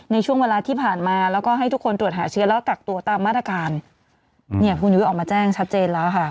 ในช่วงเวลาที่ผ่านมาแล้วก็ให้ทุกคนตรวจหาเชื้อแล้วก็กักตัวตามมาตรการเนี่ยคุณยุ้ยออกมาแจ้งชัดเจนแล้วค่ะ